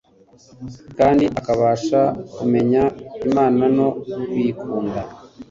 kandi akabasha kumenya Imana no kuyikunda.